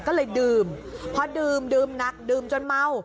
ก็เลยดื่มพอดื่มดื่มหนักดื่มจนเมา